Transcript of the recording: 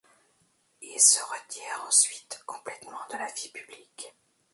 Il se retire ensuite complètement de la vie publique.